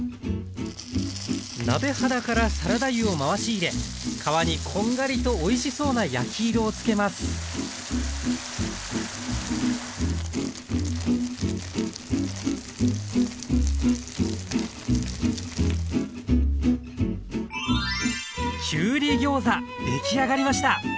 鍋肌からサラダ油を回し入れ皮にこんがりとおいしそうな焼き色をつけます出来上がりました。